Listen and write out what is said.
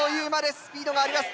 スピードがあります。